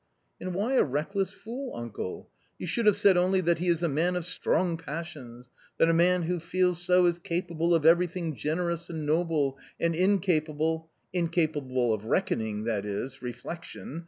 " And why a reckless fool, uncle ? You should have said only that he is a man of strong passions, that a man who feels so is capable of everything generous and noble, and incapable "" Incapable of reckoning, that is, reflection.